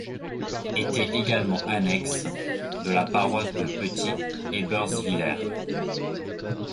Était également annexe de la paroisse de Petit-Ebersviller.